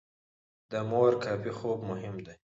د مور کافي خوب مهم دی.